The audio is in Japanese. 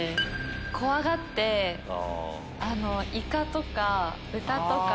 怖がってイカとか豚とか。